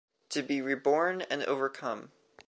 To be reborn and overcome